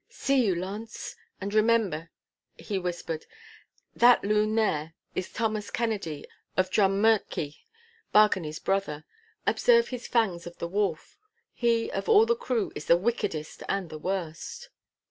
'See you, Launce, and remember,' he whispered; 'that loon there is Thomas Kennedy of Drummurchie, Bargany's brother. Observe his fangs of the wolf. He of all the crew is the wickedest and the worst.